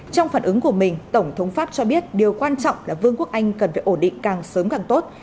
trong phản ứng của mình tổng thống pháp cho biết điều quan trọng là vương quốc anh cần phải ổn định càng sớm càng tốt